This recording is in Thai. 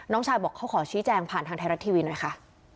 น้องชายบอกเขาขอชี้แจงผ่านทางไทยรัฐทีวีหน่อยค่ะ